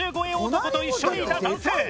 男と一緒にいた男性。